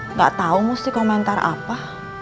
nggak tahu mesti komentar apa